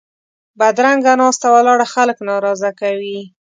بدرنګه ناسته ولاړه خلک ناراضه کوي